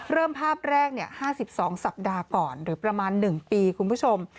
เริ่มภาพแรก๕๒สัปดาห์ก่อนหรือประมาณ๑ปีคุณผู้ชม